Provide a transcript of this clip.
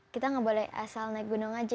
kita nggak boleh asal naik gunung aja